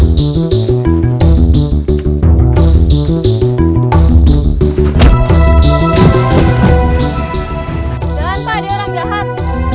jangan pak dia orang jahat